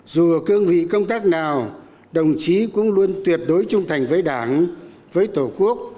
dù ở cương vị công tác nào đồng chí cũng luôn tuyệt đối trung thành với đảng với tổ quốc